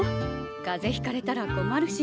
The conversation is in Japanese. かぜひかれたら困るし。